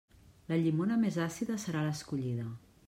La llimona més àcida serà l'escollida.